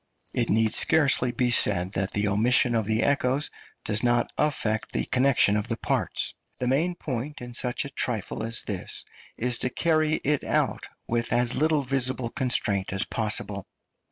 It need scarcely be said that the omission of the echoes does not affect the connection of the parts. The main point in such a trifle as this is to carry it out with as little visible constraint as possible.